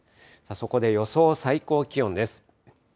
そこで予想最高気温です。